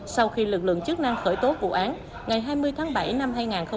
sau khi lực lượng chức năng khởi tố vụ án ngày hai mươi tháng bảy năm hai nghìn hai mươi ba